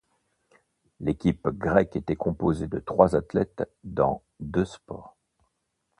L'équipe grecque était composée de trois athlètes dans deux sports.